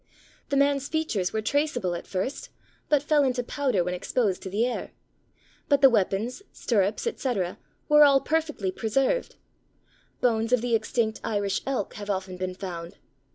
The man's features were traceable at first, but fell into powder when exposed to the air; but the weapons, stirrups, etc., were all perfectly preserved. Bones of the extinct Irish elk have often been found.